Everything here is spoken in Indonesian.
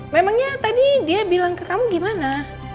memangnya tadi dia bilang ke kamu gimana